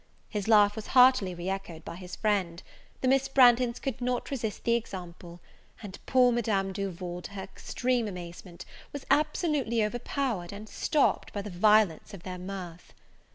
His laugh was heartily re echoed by his friend; the Miss Branghtons could not resist the example; and poor Madame Duval, to her extreme amazement, was absolutely overpowered and stopped by the violence of their mirth.